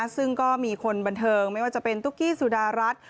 ซึ่งก็มีคนบันเทิงไม่ว่าจะเป็นตุ๊กกี้สุดารัฐ